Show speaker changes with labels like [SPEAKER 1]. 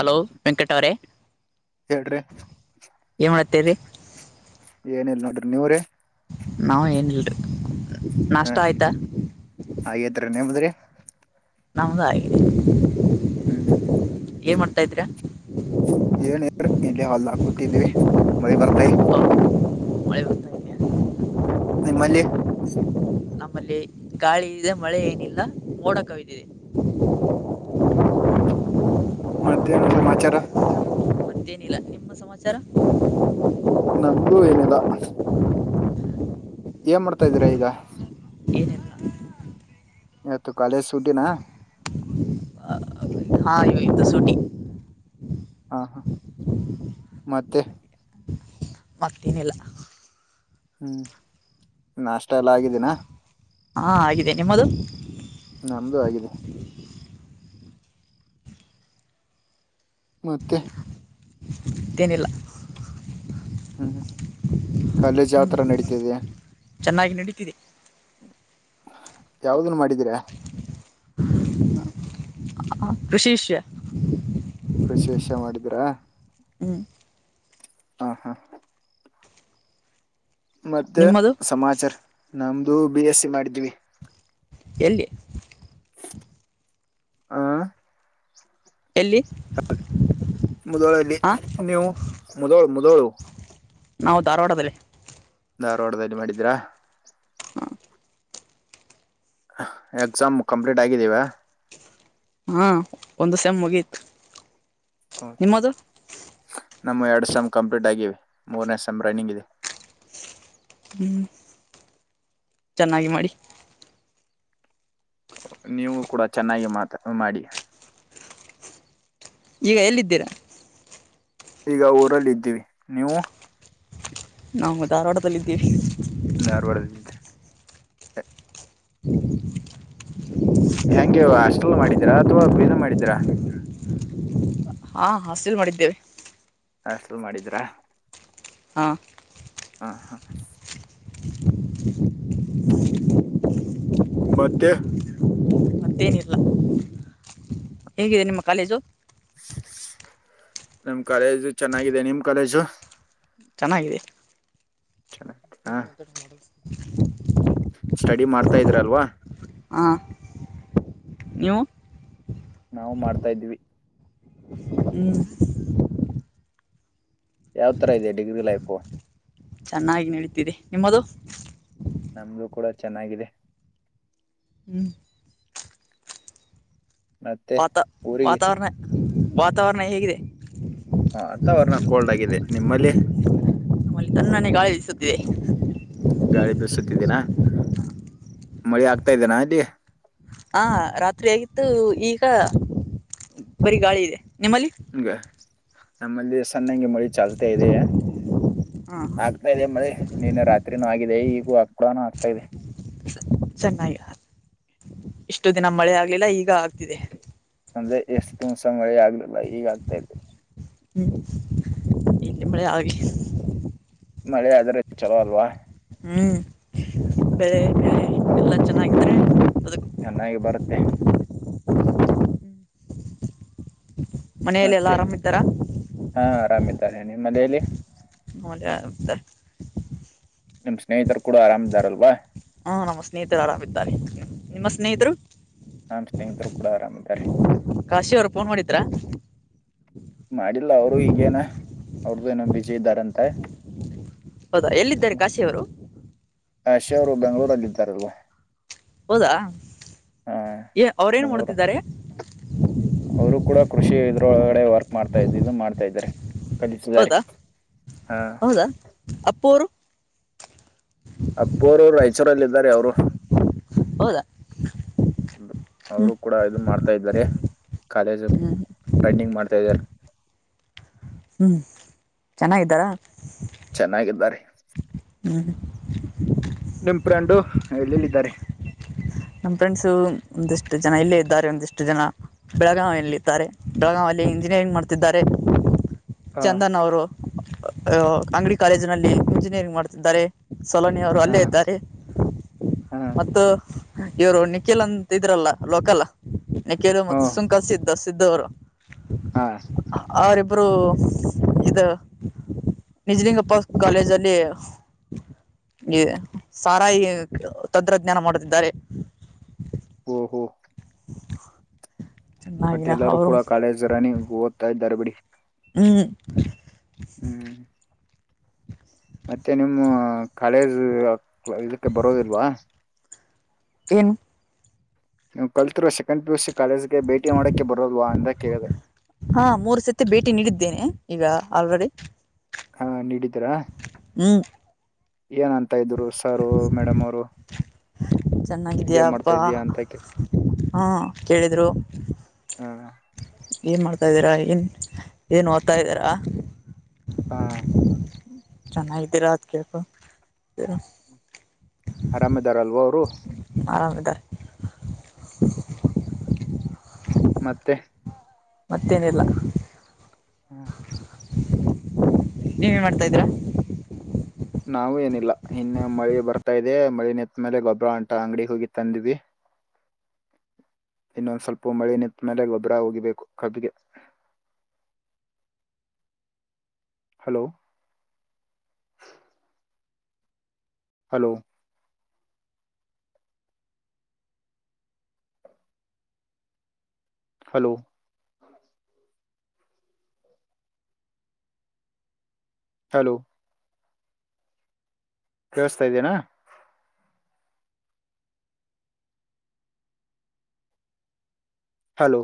[SPEAKER 1] Hello Venkata ಅವರೇ.
[SPEAKER 2] ಹೇಳಡ್ರಿ.
[SPEAKER 1] ಏನ ಮಾಡತ್ತಿ ರೀ.
[SPEAKER 2] ಏನಿಲ್ಲ ನೋಡ್ರಿ ನೀವರಿ.
[SPEAKER 1] ನಾವ ಏನ ಇಲ್ಲಡ್ರಿ
[SPEAKER 2] ಹ
[SPEAKER 1] ನಾಷ್ಟ ಆಯ್ತಾ.
[SPEAKER 2] ಹಾಗೇತ್ರಿ ನೇಮ್ಮದ್ರಿ.
[SPEAKER 1] ನಮ್ಮದು ಆಗಿದೆ
[SPEAKER 2] ಹ್ಮ್
[SPEAKER 1] ಏನ್ ಮಾಡ್ತಾ ಇದರಾ.
[SPEAKER 2] ಏನ ಇಲ್ಲಡ್ರಿ ಹೊಲದಾಗ ಕೂತಿದ್ವಿ ಮಳಿ ಬರ್ತಾ.
[SPEAKER 1] ಮಳೆ ಬರ್ತಾ ಇದೆಯಾ
[SPEAKER 2] ನಿಮ್ಮಲ್ಲಿ
[SPEAKER 1] ನಮ್ಮಲ್ಲಿ ಗಾಳಿಯಿದೆ ಮಳೆ ಏನಿಲ್ಲ ಮೂಡ ಕವಿದಿದೆ.
[SPEAKER 2] ಓಹೋ ಮತ್ತೇನು ಸಮಾಚಾರಾ.
[SPEAKER 1] ಮತ್ತೇನಿಲ್ಲಾ ನಿಮ್ಮ ಸಮಾಚಾರಾ.
[SPEAKER 2] ನಮ್ಮದು ಏನಿಲ್ಲಾ. ಏನ ಮಾಡ್ತಾ ಇದೀರಾ ಈಗಾ.
[SPEAKER 1] ಏನಿಲ್ಲ
[SPEAKER 2] ಇವತ್ತು ಕಾಲೇಜ್ ಸೂಟಿನಾ.
[SPEAKER 1] ಹಾ ಇವತ್ತು ಸೂಟಿ.
[SPEAKER 2] ಹಾ ಹಾ ಮತ್ತೆ
[SPEAKER 1] ಮತೇನಿಲ್ಲ
[SPEAKER 2] ಹ್ಮ್ ನಾಷ್ಟ ಎಲ್ಲಾ ಆಗಿದ್ದೇನಾ
[SPEAKER 1] ಹಾ ಆಗಿದೆ ನಿಮ್ಮದು
[SPEAKER 2] ನಮ್ದು ಆಗಿದೆ. ಮತ್ತೆ
[SPEAKER 1] ತ್ತೇನಿಲ್ಲ
[SPEAKER 2] ಹ್ಮ್ ಕಾಲೇಜ್ ಯಾವ್ ತರ ನಡೀತಿದೆ.
[SPEAKER 1] ಚೆನ್ನಾಗಿ ನಡೀತಿದೆ
[SPEAKER 2] ಯಾವ್ದನ್ ಮಾಡಿದೀರಾ.
[SPEAKER 1] ಕೃಷಿ ವಿಷ್ಯ
[SPEAKER 2] ಕೃಷಿ ವಿಷಯ ಮಾಡಿದ್ರಾ
[SPEAKER 1] ಹ್ಮ್
[SPEAKER 2] ಹಾ ಹಾ ಮತ್ತೆ
[SPEAKER 1] ನಿಮ್ಮದು
[SPEAKER 2] ಸಮಾಚಾರ ನಮ್ದು ಬಿ ಎಸ್ ಸಿ ಮಾಡಿದೀವಿ.
[SPEAKER 1] ಎಲ್ಲಿ
[SPEAKER 2] ಆ
[SPEAKER 1] ಎಲ್ಲಿ
[SPEAKER 2] ಮುದೋಳಲ್ಲಿ
[SPEAKER 1] ಹಾ
[SPEAKER 2] ನೀವು ಮುದೋಳು ಮುದೋಳು
[SPEAKER 1] ನಾವು ಧಾರವಾಡದಲ್ಲಿ
[SPEAKER 2] ಧಾರವಾಡದಲ್ಲಿ ಮಾಡಿದೀರಾ. ಎಕ್ಸಾಮ್ ಕಂಪ್ಲೀಟ್ ಆಗಿದ್ದೀವಾ.
[SPEAKER 1] ಹಾ ಒಂದು ಸೆಮ್ ಮುಗೀತು.
[SPEAKER 2] ಹ್ಮ್
[SPEAKER 1] ನಿಮ್ಮದು
[SPEAKER 2] ನಮ್ಮ ಎರಡ್ ಸೇಮ್ ಕಂಪ್ಲೀಟ್ ಆಗಿವೆ ಮೂರನೇ ಸೇಮ್ ರನ್ನಿಂಗ್ ಇದೆ.
[SPEAKER 1] ಹ್ಮ್ ಚೆನ್ನಾಗಿ ಮಾಡಿ
[SPEAKER 2] ನೀವು ಕೂಡ ಚೆನ್ನಾಗಿ ಮಾತ ಮಾಡಿ
[SPEAKER 1] ಈಗ ಎಲ್ಲಿದ್ದೀರಾ.
[SPEAKER 2] ಈಗ ಊರಲ್ಲಿ ಇದ್ದೀವಿ ನೀವು
[SPEAKER 1] ನಾವು ಧಾರವಾಡದಲ್ಲಿ ಇದ್ದೀವಿ.
[SPEAKER 2] ಧಾರವಾಡದಲ್ಲಿ ಹೆಂಗೆ ಹಾಸ್ಟೆಲ್ ಮಾಡಿದೀರಾ ಅಥವಾ ಬೀದ ಮಾಡಿದೀರಾ
[SPEAKER 1] ಹಾ ಹಾಸ್ಟೇಲ್ ಮಾಡಿದ್ದೇವೆ.
[SPEAKER 2] ಹಾಸ್ಟೇಲ್ ಮಾಡಿದ್ರಾ.
[SPEAKER 1] ಹಾ
[SPEAKER 2] ಹಾ ಹಾ ಮತ್ತೆ
[SPEAKER 1] ಮತ್ತೇನಿಲ್ಲ. ಹೇಗಿದೆ ನಿಮ್ಮ ಕಾಲೇಜು
[SPEAKER 2] ನಮ್ ಕಾಲೇಜು ಚೆನ್ನಾಗಿದೆ ನಿಮ್ ಕಾಲೇಜು
[SPEAKER 1] ಚೆನ್ನಾಗಿದೆ
[SPEAKER 2] ಚಲ [unintelligible]
[SPEAKER 1] ಕ್ರಿಕೆಟ್ ಮಾಡಡಲ್ [unintelligible]
[SPEAKER 2] ಸ್ಟಡಿ ಮಾಡ್ತಾ ಇದ್ರಲ್ವಾ
[SPEAKER 1] ಹ ನೀವು
[SPEAKER 2] ನಾವು ಮಾಡ್ತಾ ಇದೀವಿ.
[SPEAKER 1] ಹ್ಮ್
[SPEAKER 2] ಯಾವ್ ತರಾ ಇದೆ ಡಿಗ್ರಿ ಲೈಫು
[SPEAKER 1] ಚೆನ್ನಾಗಿ ನಡೀತಿದೆ ನಿಮ್ಮದು
[SPEAKER 2] ನಮ್ದು ಕೂಡ ಚೆನ್ನಾಗಿದೆ
[SPEAKER 1] ಹ್ಮ್
[SPEAKER 2] ಮತ್ತೆ
[SPEAKER 1] ವಾತ
[SPEAKER 2] ಊರಿಗೆ
[SPEAKER 1] ವಾತಾವರಣ ವಾತಾವರಣ ಹೇಗಿದೆ
[SPEAKER 2] ಹ ವಾತಾವರಣ ಕೋಲ್ಡ್ ಆಗಿದೆ ನಿಮ್ಮಲ್ಲಿ
[SPEAKER 1] ಆಲ್ಲಿ ತಣನೇ ಗಾಳಿಬಿಸುತ್ತಿದೆ
[SPEAKER 2] ಗಾಳಿ ಬಸುತ್ತಿದ್ದೀನಾ ಮಳೆ ಆಗ್ತಾ ಇದನಾ ಅಲ್ಲಿ
[SPEAKER 1] ಹ ರಾತ್ರಿ ಆಗಿತ್ತು ಈಗ ಬರಿ ಗಾಳಿ ಇದೆ ನಿಮ್ಮಲ್ಲಿ
[SPEAKER 2] ಈಗ ನಮ್ಮಲ್ಲಿ ಸನ್ನಂಗೆ ಮಳಿ ಚಲ್ತಾ ಇದೆ
[SPEAKER 1] ಹಾಂ
[SPEAKER 2] ಆಗ್ತಾ ಇದೆ ಮಳಿ ನೀನೇ ರಾತ್ರಿ ಹರಿ ಆಗಿದೆ ಈಗ ಹ ಆ ಕೂಡ ಆಗ್ತಾ ಇದೆ
[SPEAKER 1] ಚೆನ್ನಾಗಿ ಇಷ್ಟು ದಿನ ಮಳೆ ಆಗ್ಲಿಲ್ಲ ಈಗ ಆಗ್ತಿದೆ
[SPEAKER 2] ಅಂದ್ರೆ ಎಷ್ಟು ದಿವಸ ಮಳೆ ಆಗ್ಲಿಲ್ಲ ಈಗಾಆಗ್ತಲ್ಲಿ
[SPEAKER 1] ಹ್ಮ್ ಇಲ್ಲಿ ಮಳೆ ಆಗ್ಲಿ
[SPEAKER 2] ಮಳೆ ಆದ್ರೆ ಚಲೋ ಅಲ್ವಾ
[SPEAKER 1] ಹ್ಮ್ ಬೆಳೆ
[SPEAKER 2] ಮತ್ತೆ
[SPEAKER 1] ಬೆ ಎಲ್ಲ ಚೆನ್ನಾಗಿ
[SPEAKER 2] ಚೆನ್ನಾಗಿ ಬರುತ್ತೆ
[SPEAKER 1] ಮನಲೆ ಎಲ್ಲಾ
[SPEAKER 2] ಮತ್ತೆ
[SPEAKER 1] ಆರಾಮ್ ಇದ್ದಾರಾ
[SPEAKER 2] ಹಾ ಆರಾಮ್ ಇದ್ದಾರೆ ನಿಮ್ಮ ಮನೆಯಲ್ಲಿ
[SPEAKER 1] [unintelligible]
[SPEAKER 2] ನಿಮ್ ಸ್ನೇಹಿತರು ಕೂಡ ಆರಾಮ್ ಇದಾರಲ್ವಾ
[SPEAKER 1] ಹಾ ನಮ್ಮ ಸ್ನೇಹಿತರು ಆರಾಮಿದ್ದಾರೆ ನಿಮ್ಮ ಸ್ನೇಹಿತರು
[SPEAKER 2] ನಾನ್ ಸ್ನೇಹಿತರು ಕೂಡ ಆರಾಮ್ ಇದ್ದಾರೆ
[SPEAKER 1] ಕಾಶಿ ಅವರು ಫೋನ್ ಮಾಡಿದ್ರಾ
[SPEAKER 2] ಮಾಡಿಲ್ಲ ಅವರು ಈಗೇನ ಅವ್ರ್ದು ಏನೋ ಬಿಸಿ ಇದ್ದಾರಂತೆ
[SPEAKER 1] ಹೌದಾ ಎಲ್ಲಿದ್ದಾರೆ ಕಾಶಿಯವರು
[SPEAKER 2] ಹ ಕಾಶಿವ ಅವರು ಬೆಂಗಳೂರಲ್ಲಿ ಇದ್ದಾರಲ್ವಾ
[SPEAKER 1] ಹೌದಾ
[SPEAKER 2] ಹಾ
[SPEAKER 1] ಅವ್ರ ಏನ್
[SPEAKER 2] ಬೆಂಗಳೂರು
[SPEAKER 1] ಮಾಡುತ್ತಿದ್ದಾರೆ
[SPEAKER 2] ಅವರು ಕೂಡ ಕೃಷಿ ಇದ್ರೊಳಗಡೆ ವರ್ಕ್ ಮಾಡ್ತಾ ಇದನ್ನು ಮಾಡ್ತಾ ಇದ್ದಾರೆ ಕಲಿತಿದ್ದಾರೆ.
[SPEAKER 1] ಹೌದಾ
[SPEAKER 2] ಹಾ
[SPEAKER 1] ಹೌದಾ ಅಪ್ಪ ಅವರು
[SPEAKER 2] ಅಪ್ಪರು ರಾಯಚೂರಿನಲ್ಲಿ ಇದ್ದಾರೆ ಅವರು
[SPEAKER 1] ಹೌದಾ
[SPEAKER 2] ಅವರು
[SPEAKER 1] ಹ್ಮ್
[SPEAKER 2] ಕೂಡ ಇದು ಮಾಡ್ತಾ ಇದ್ದಾರೆ ಕಾಲೇಜು
[SPEAKER 1] ಹ್ಮ
[SPEAKER 2] ಪೆನ್ನಿಂಗ ಮಾಡ್ತಾ ಇದ್ದಾರೆ
[SPEAKER 1] ಹ್ಮ್ ಚೆನ್ನಾಗಿದ್ದಾರಾ
[SPEAKER 2] ಚೆನ್ನಾಗಿದ್ದಾರೆ
[SPEAKER 1] ಹ್ಮ
[SPEAKER 2] ನಿಮ್ಮ ಫ್ರೆಂಡು ಎಲ್ಲಿಎಲ್ಲಿದ್ದಾರೆ
[SPEAKER 1] ನಮ ಫ್ರೆಂಡ್ಸು ಒಂದಿಷ್ಟು ಜನ ಇಲ್ಲೇ ಇದ್ದಾರೆ ಒಂದಿಷ್ಟು ಜನ ಬೆಳಗಾವಿಯಲ್ಲಿದಾರೆ ಬೆಳಗಾವ ಅಲ್ಲಿ ಇಂಜಿನಿಯರಿಂಗ್ ಮಾಡ್ತಿದ್ದಾರೆ
[SPEAKER 2] ಹಾ
[SPEAKER 1] ಚಂದನ್ ಅವರು ಅ ಅಂಗಡಿ ಕಾಲೇಜ್ ನಲ್ಲಿ ಇಂಜಿನಿಯರಿಂಗ್ ಮಾಡ್ತಿದ್ದಾರೆ ಸೋಲೋನಿ ಅವರು
[SPEAKER 2] ಹಾ
[SPEAKER 1] ಅಲ್ಲೇ ಇದ್ದಾರೆ
[SPEAKER 2] ಹಾ
[SPEAKER 1] ಮತ್ತು ಇವ್ರು ನಿಖಿಲ್ ಅಂತ ಇದ್ರಲ್ಲ ಲೋಕಲ್ ನಿಖಿಲ್
[SPEAKER 2] ಹಾ
[SPEAKER 1] ಮತ್ತೆ ಸುಂಕ ಸಿದ್ದ ಸಿದ್ದು ಅವರು
[SPEAKER 2] ಹಾ
[SPEAKER 1] ಅವರಿಬ್ಬರು ಇದು ನಿಜಲಿಂಗಪ್ಪ ಕಾಲೇಜಲ್ಲಿ ಈ ಸಾರಾಯಿ ತಂತ್ರಜ್ಞಾನ ಮಾಡುತ್ತಿದ್ದಾರೆ.
[SPEAKER 2] ಓಹೋ ಬಟ್
[SPEAKER 1] ಚೆನ್ನಾಗಿನ
[SPEAKER 2] ಎಲ್ಲರೂ
[SPEAKER 1] ಅವರು
[SPEAKER 2] ಕೂಡ ಕಾಲೇಜ್ ರನ್ ಓದ್ತಾ ಇದ್ದಾರೆ ಬಿಡಿ.
[SPEAKER 1] ಹ್ಮ್
[SPEAKER 2] ಹ್ಮ್ ಮತ್ತೆ ನಿಮ್ಮ ಕಾಲೇಜ್ ಇದಕ್ಕೆ ಬರೋದಿಲ್ವಾ.
[SPEAKER 1] ಏನ್
[SPEAKER 2] ನೀವು ಕಲ್ತಿರೋ ಸೆಕೆಂಡ್ ಪಿ ಯು ಸಿ ಕಾಲೇಜಿಗೆ ಭೇಟಿ ಮಾಡೋಕ್ಕೆ ಬರೋಲ್ವ ಅಂತ ಕೇಳಿದೆ.
[SPEAKER 1] ಹಾ ಮೂರು ಸತಿ ಭೇಟಿ ನೀಡಿದ್ದೇನೆ ಈಗ ಆಲ್ರೆಡಿ.
[SPEAKER 2] ಹಾ ನೀಡಿದ್ದೀರಾ.
[SPEAKER 1] ಹ್ಮ್
[SPEAKER 2] ಏನ್ ಅಂತ ಇದ್ರು ಸಾರು ಮೇಡಮ್ ಅವರು. ಏನ್
[SPEAKER 1] ಚೆನ್ನಾಗಿದ್ಯಪ್ಪ
[SPEAKER 2] ಮಾಡ್ತಾ ಇದೀಯಾ ಅಂತ ಕೆ
[SPEAKER 1] ಹ್ ಕೇಳಿದರು.
[SPEAKER 2] ಹ
[SPEAKER 1] ಏನು ಮಾಡ್ತಾದ್ದೀರಾ ಏನ್ ಏನು ಓದ್ತಾದೀರಾ
[SPEAKER 2] ಹಾ
[SPEAKER 1] ಚೆನ್ನಾಗಿದ್ದೀರಾ ಅದು ಕೇಳ್
[SPEAKER 2] ಆರಾಮ್ ಇದಾರಲ್ವಾ ಅವರು
[SPEAKER 1] ಆರಾಮ್ ಇದ್ದಾರೆ.
[SPEAKER 2] ಮತ್ತೆ
[SPEAKER 1] ಮತ್ತೇನಿಲ್ಲ
[SPEAKER 2] ಹ್ಮ್
[SPEAKER 1] ನೀವ್ ಏನ್ ಮಾಡ್ತಾ ಇದ್ದೀರಾ.
[SPEAKER 2] ನಾವು ಏನಿಲ್ಲ ಇನ್ನು ಮಳೆ ಬರ್ತಾ ಇದೆ ಮಳಿ ನಿತ್ ಮೇಲೆ ಗೊಬ್ಬರ ಅಂಟ ಅಂಗಡಿ ಹೋಗಿ ತಂದ್ವಿ. ಇನ್ನೊಂದ್ ಸ್ವಲ್ಪ ಮಳೆ ನಿಂತ್ ಮೇಲೆ ಗೊಬ್ಬರ ಹೋಗಿಬೇಕು ಕಬ್ಬಗೆ ಹಲೋ ಹಲೋ ಹಲೋ ಹಲೋ ಕೇಳಸ್ತಾ ಇದೇನಾ. ಹಲೋ